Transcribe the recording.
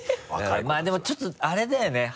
まぁでもちょっとあれだよね